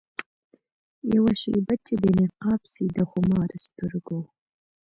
یوه شېبه چي دي نقاب سي د خمارو سترګو